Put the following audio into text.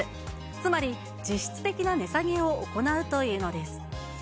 つまり実質的な値下げを行うというのです。